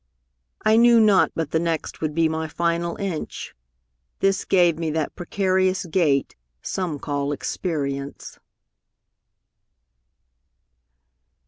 I knew not but the next Would be my final inch, This gave me that precarious gait Some call experience.